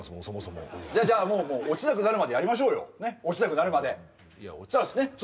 そもそもじゃあじゃあもうもう落ちなくなるまでやりましょうよねっ落ちなくなるまでだからね